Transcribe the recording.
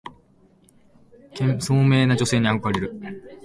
聡明な女性に憧れる